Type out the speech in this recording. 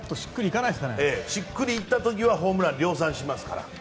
しっくりいった時はホームラン量産しますから。